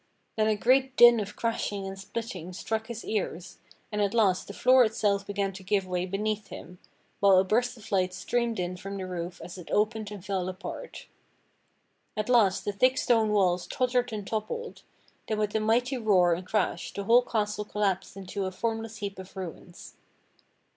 Then a great din of crashing and splitting struck his ears, and at last the floor itself began to give way beneath him, while a burst of light streamed in from the roof as it opened and fell apart. At last the thick stone walls tottered and toppled, then with a mighty roar and crash the whole castle collapsed into a formless heap of ruins.